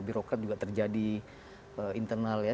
birokrat juga terjadi internal ya